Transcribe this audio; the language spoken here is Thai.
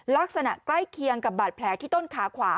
ลักษณะใกล้เคียงกับบาดแผลที่ต้นขาขวา